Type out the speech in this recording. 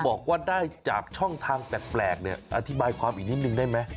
บอกว่าได้จากช่องทางแปลกเนี่ยอธิบายความอีกนิดนึงได้ไหม